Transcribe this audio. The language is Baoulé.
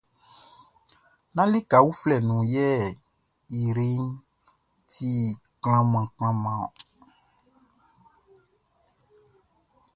Nán lika uflɛ nun yɛ ijreʼn ti mlanmlanmlan ɔn.